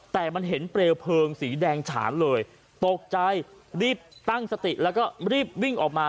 แต่มันเห็นเปลวเพลิงสีแดงฉานเลยตกใจรีบตั้งสติแล้วก็รีบวิ่งออกมา